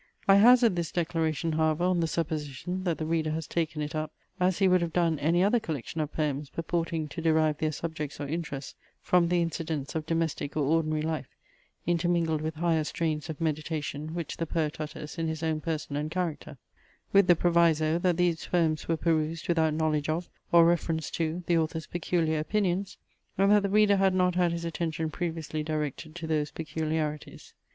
I hazard this declaration, however, on the supposition, that the reader has taken it up, as he would have done any other collection of poems purporting to derive their subjects or interests from the incidents of domestic or ordinary life, intermingled with higher strains of meditation which the poet utters in his own person and character; with the proviso, that these poems were perused without knowledge of, or reference to, the author's peculiar opinions, and that the reader had not had his attention previously directed to those peculiarities.